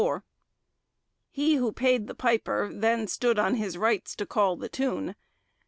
He who paid the piper then stood on his rights to call the tune.